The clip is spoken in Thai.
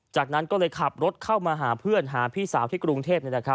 จากนั้นก็เลยขับรถเข้ามาหาเพื่อนหาพี่สาวที่กรุงเทพ